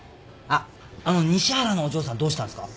あの西原のお嬢さんどうしたんすか？